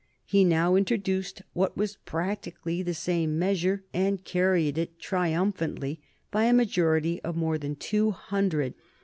He now introduced what was practically the same measure, and carried it triumphantly by a majority of more than two hundred.